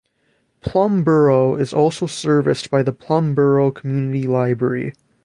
Plum Borough is also serviced by the Plum Borough Community Library.